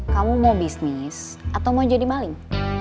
kamu mau bisnis atau mau jadi maling